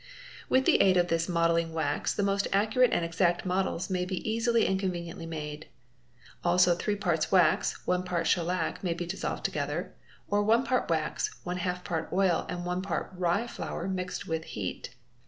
With the aid of this modelling wax the most accurate and exact models may be easily and conveniently made. Also 3 parts wax, 1 part schellac may be dissolved together; or 1 part wax, $ part oil and 1 part rye flour mixed with heat.